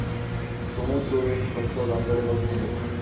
ښوونکي وویل چې پښتو ځانګړي غږونه لري.